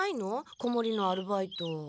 子もりのアルバイト。